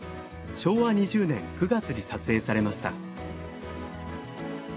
昭和２０年９月に撮影されました。